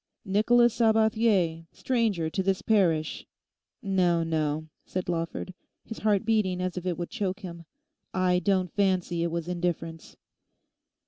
'"Nicholas Sabathier, Stranger to this parish"—no, no,' said Lawford, his heart beating as if it would choke him, 'I don't fancy it was indifference.